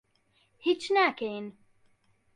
هیچ ناکەین.